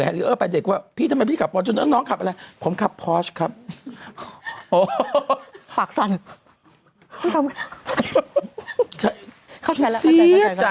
ตัวให้๓คนหนูอีกยังกลับอย่างงี้